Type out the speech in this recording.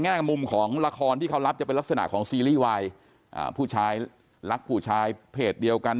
แง่มุมของละครที่เขารับจะเป็นลักษณะของซีรีส์วายอ่าผู้ชายรักผู้ชายเพจเดียวกัน